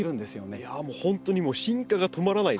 いやもうほんとに進化が止まらないですね。